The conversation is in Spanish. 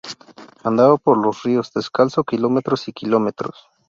Andaba por los ríos descalzo kilómetros y kilómetros.